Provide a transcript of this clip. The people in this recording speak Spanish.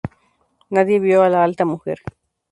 Nadie vio a la alta mujer.